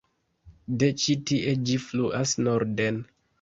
De ĉi-tie ĝi fluas norden.